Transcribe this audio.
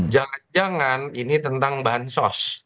jangan jangan ini tentang bahan sos